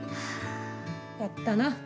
やったな。